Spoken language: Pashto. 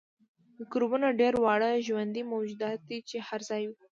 میکروبونه ډیر واړه ژوندي موجودات دي چې هر ځای وي